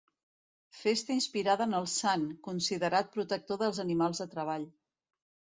Festa inspirada en el sant, considerat protector dels animals de treball.